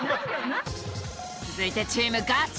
続いてチームガチ。